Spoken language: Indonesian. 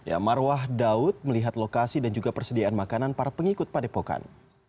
ya marwah daud melihat lokasi dan juga persediaan makanan para pengikut padepokan